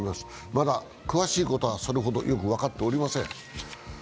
まだ詳しいことはそれほどよく分かっていません。